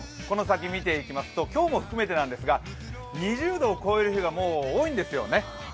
この先見ていくと今日も含めてなんですが、２０度を超える日が多いんですよね。